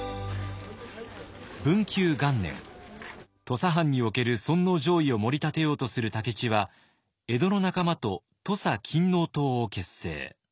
土佐藩における尊皇攘夷をもり立てようとする武市は江戸の仲間と土佐勤王党を結成。